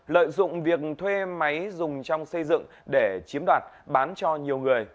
lợi dụng việc thuê máy dùng trong xây dựng để chiếm đoạt bán cho nhiều người